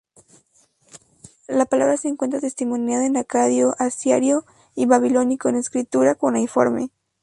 La palabra se encuentra testimoniada en acadio, asirio y babilónico, en escritura cuneiforme.